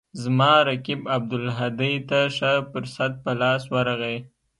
زما رقیب ابوالهدی ته ښه فرصت په لاس ورغی.